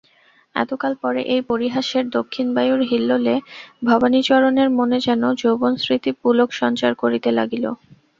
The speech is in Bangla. এতকাল পরে এই পরিহাসের দক্ষিণবায়ুর হিল্লোলে ভবানীচরণের মনে যেন যৌবনস্মৃতি পুলক সঞ্চার করিতে লাগিল।